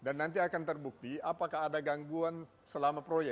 dan nanti akan terbukti apakah ada gangguan selama proyek